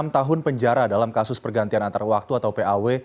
enam tahun penjara dalam kasus pergantian antar waktu atau paw